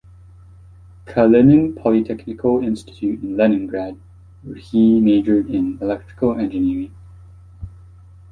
Kalinin Polytechnical Institute in Leningrad where he majored in electrical engineering.